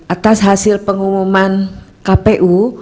atas hasil pengumuman kpu